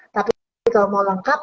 tapi kalau mau lengkap